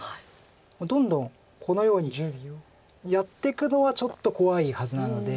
もうどんどんこのようにやっていくのはちょっと怖いはずなので。